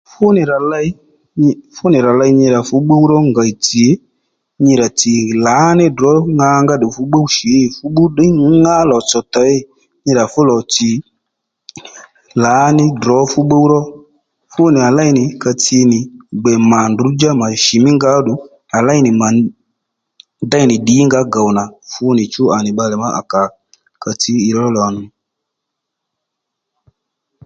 Fúnì rà ley fúnì rà ley nyi rà fú pbúw ró ngèy tsì nyi rà tsì lǎní drǒ ŋangá ddù fú pbúw shǐ fú pbúw tdě ŋá lò-tsò těy nyi rà fú lò tsì lǎní drǒ fú pbúw ró fúnì à léy nì ka tsi nì gbè mà ndrǔdjá mà shì mí nga óddù à léy nì mà déy nì ddǐngǎ gòw nà fúnìchú à nì bbalè má à kà ka tsǐ ì ró lò nì